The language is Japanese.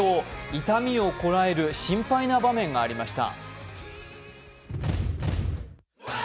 痛みをこらえる心配な場面がありました。